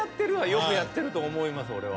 よくやってると思います俺は。